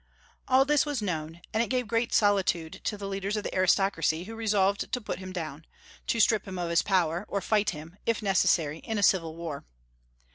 All this was known, and it gave great solicitude to the leaders of the aristocracy, who resolved to put him down, to strip him of his power, or fight him, if necessary, in a civil war.